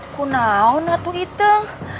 kunaun ratu itung